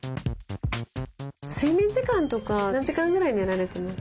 睡眠時間とか何時間ぐらい寝られてます？